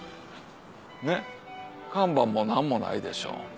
ねっ看板も何もないでしょ。